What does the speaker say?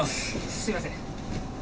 すいません。